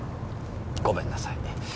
ごめんなさい。